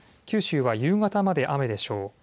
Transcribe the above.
九州は夕方まで雨でしょう。